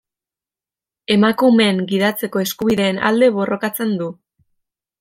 Emakumeen gidatzeko eskubideen alde borrokatzen du.